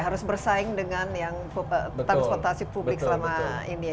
harus bersaing dengan yang transportasi publik selama ini ya